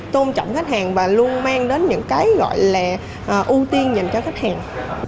tôn trọng khách hàng và luôn mang đến những cái gọi là ưu tiên dành cho khách hàng